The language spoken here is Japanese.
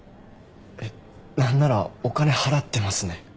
何ならお金払ってますね。